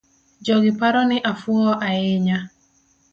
Jogiparo ni afuwo ainya.